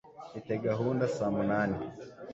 Mfite gahunda saa munani.